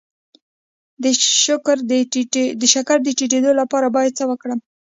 د شکر د ټیټیدو لپاره باید څه وکړم؟